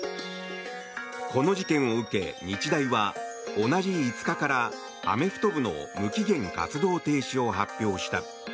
この事件を受け、日大は同じ５日からアメフト部の無期限活動停止を発表した。